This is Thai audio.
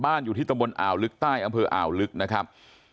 อยู่ที่ตำบลอ่าวลึกใต้อำเภออ่าวลึกนะครับ